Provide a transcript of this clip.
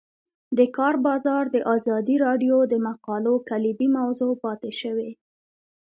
د کار بازار د ازادي راډیو د مقالو کلیدي موضوع پاتې شوی.